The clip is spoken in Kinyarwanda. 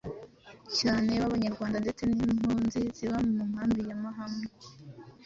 cyane b’abanyarwanda ndetse n’impunzi ziba mu nkambi ya Mahama.